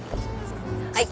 はい。